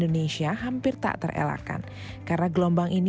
orang tinggal tinggal tidak berlebihan merupakan